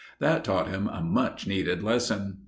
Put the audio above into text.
That taught him a much needed lesson.